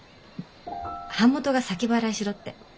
版元が先払いしろって。